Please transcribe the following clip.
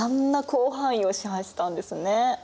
広範囲を支配したんですね。